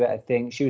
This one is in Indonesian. dia adalah wanita tua